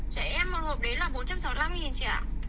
trẻ em một hộp đấy là bốn trăm sáu mươi năm chị ạ